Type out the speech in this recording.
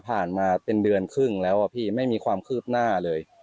มาเป็นเดือนครึ่งแล้วอะพี่ไม่มีความคืบหน้าเลย